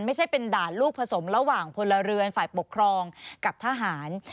ไม่ใช่เป็นด่านลูกผสมระหว่างพลเรือนฝ่ายปกครองกับทหาร